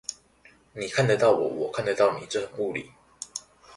你看得到我，我看得到你，這很物理